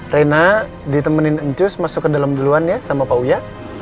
reina ditemenin cus masuk ke dalam duluan ya sama pak uya